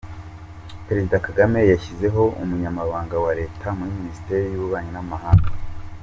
Perezida Kagame yashyizeho Umunyamabanga wa Leta muri Minisiteri y’Ububanyi n’Amahanga